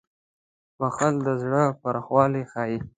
• بښل د زړه پراخوالی ښيي.